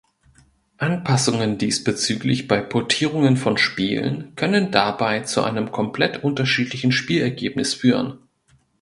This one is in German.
Anpassungen diesbezüglich bei Portierungen von Spielen können dabei zu einem komplett unterschiedlichen Spielerlebnis führen.